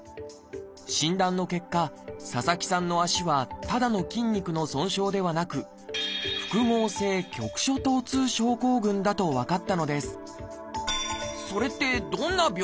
診断の結果佐々木さんの足はただの筋肉の損傷ではなく「複合性局所疼痛症候群」だと分かったのです